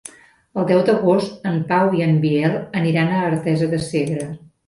El deu d'agost en Pau i en Biel aniran a Artesa de Segre.